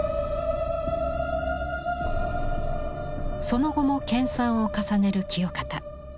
その後も研鑽を重ねる清方。